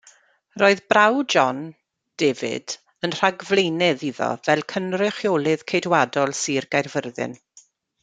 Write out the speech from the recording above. Roedd brawd John, David, yn rhagflaenydd iddo fel Cynrychiolydd Ceidwadol Sir Gaerfyrddin.